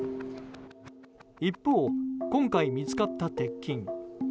一方、今回見つかった鉄筋。